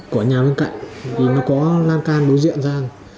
của nhà bên cạnh thì nó có lan can đối diện ra